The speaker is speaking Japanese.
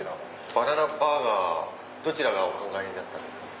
バナナバーガーどちらがお考えになったんですか？